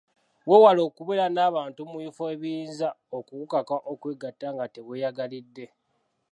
Weewale okubeera n'abantu mu bifo ebiyinza okukukaka okwegatta nga teweeyagalidde.